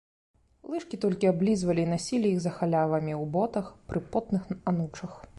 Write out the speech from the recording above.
Лыжкі толькі аблізвалі і насілі іх за халявамі ў ботах, пры потных анучах.